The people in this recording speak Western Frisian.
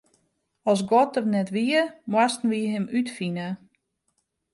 As God der net wie, moasten wy Him útfine.